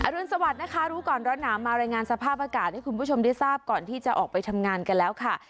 รุนสวัสดิ์นะคะรู้ก่อนร้อนหนาวมารายงานสภาพอากาศให้คุณผู้ชมได้ทราบก่อนที่จะออกไปทำงานกันแล้วค่ะ